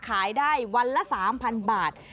ขายได้วันละ๓๐๐๐บาท